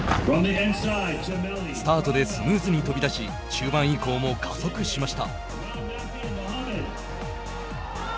スタートでスムーズに飛び出し中盤以降も加速しました。